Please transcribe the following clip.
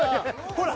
［ほら］